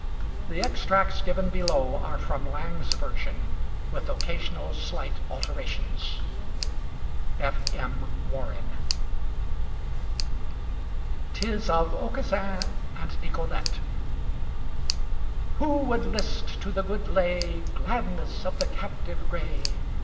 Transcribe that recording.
The extracts given below are from Lang's version, with occasional slight alterations. [Illustration: Signature: F.M. WARREN] 'TIS OF AUCASSIN AND NICOLETTE Who would list to the good lay, Gladness of the captive gray?